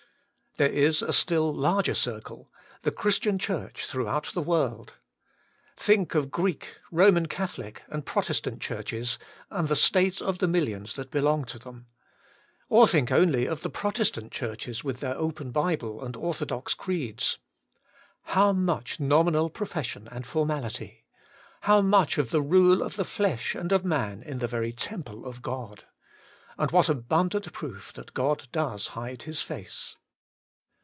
* There is a still larger circle — the Christian Church throughout the world. Think of Greek, Bomftn Catholic, and Protestant churches, and WAITING ON GOD! 87 the state of the millions that belong to them. Or think only of the Protestant churches with their open Bible and orthodox creeds. How much nominal profession and formality ! how much of the rule of the flesh and of man in the very temple of God ! And what abundant proof that God does hide His face